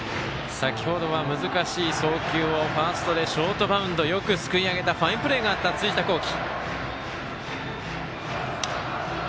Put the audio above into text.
先ほどは難しい送球をショートバウンドよくすくいあげたファインプレーがあった辻田剛暉。